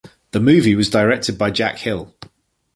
The movie was directed by Jack Hill.